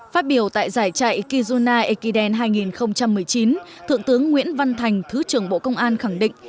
phát biểu tại giải chạy kizuna ekiden hai nghìn một mươi chín thượng tướng nguyễn văn thành thứ trưởng bộ công an khẳng định